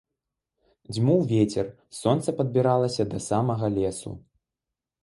Дзьмуў вецер, сонца падбіралася да самага лесу.